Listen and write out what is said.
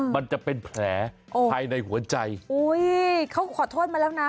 มันจะเป็นแผลภายในหัวใจอุ้ยเขาขอโทษมาแล้วนะ